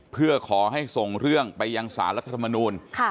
เพื่อขอให้ส่งเรื่องไปยังสารรัฐธรรมนูล